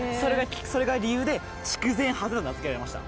それが理由でチクゼンハゼと名付けられました。